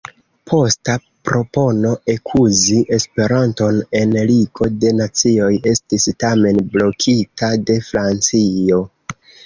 Posta propono ekuzi Esperanton en Ligo de Nacioj estis tamen blokita de Francio.